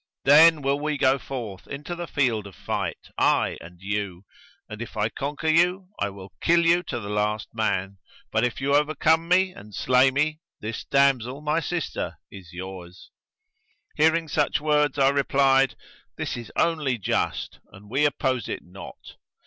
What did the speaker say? Then will we go forth into the field of fight, I and you; and, if I conquer you, I will kill you to the last man; but if you overcome me and slay me, this damsel, my sister, is yours." Hearing such words I replied, "This is only just, and we oppose it not."